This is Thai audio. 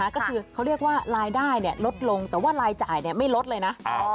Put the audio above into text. ก็คือเขาเรียกว่ารายได้ลดลงแต่ว่ารายจ่ายไม่ลดเลยนะ